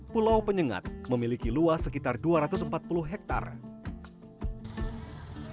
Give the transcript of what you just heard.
pulau penyengat memiliki luas sekitar dua ratus empat puluh hektare